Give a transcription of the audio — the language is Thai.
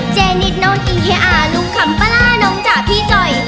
เจนิดโน้นอีเฮออ่าลุงขำปลาร่าน้องจ่าพี่จ่อย